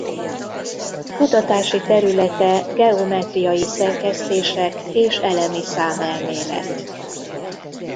Kutatási területe geometriai szerkesztések és elemi számelmélet.